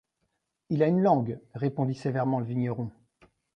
Il a une langue, répondit sévèrement le vigneron.